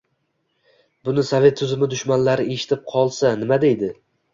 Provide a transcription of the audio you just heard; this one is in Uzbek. Buni sovet tuzumi dushmanlari eshitib qolsa nima deydi?